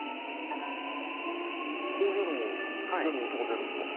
こういうのも全部音が出るんですか？